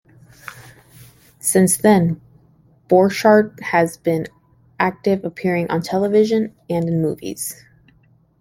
Since then Borchardt has been active appearing on television and in movies.